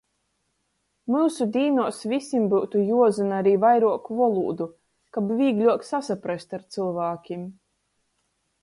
Myusu dīnuos vysim byutu juozyna ari vairuok volūdu, kab vīgļuok sasaprast ar cylvākim.